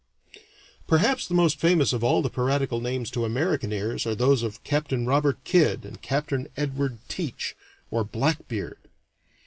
Perhaps the most famous of all the piratical names to American ears are those of Capt. Robert Kidd and Capt. Edward Teach, or "Blackbeard."